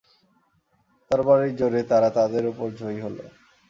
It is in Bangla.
তরবারির জোরে তারা তাদের উপর জয়ী হল।